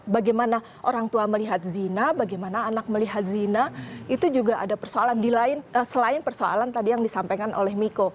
bagaimana orang tua melihat zina bagaimana anak melihat zina itu juga ada persoalan selain persoalan tadi yang disampaikan oleh miko